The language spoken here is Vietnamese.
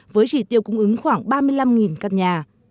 với chỉ tiêu cung ứng khoảng ba mươi năm căn nhà